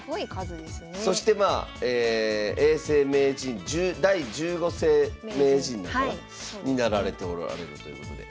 そしてまあ永世名人第十五世名人になられておられるということで。